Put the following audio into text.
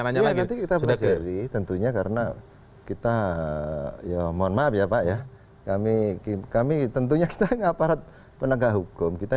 tentunya karena kita ya mohon maaf ya pak ya kami kami tentunya kita mengaparat penegak hukum kita